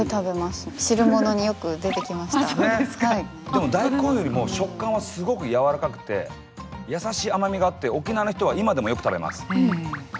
でも大根よりも食感はすごくやわらかくてやさしい甘みがあって沖縄の人は今でもよく食べます。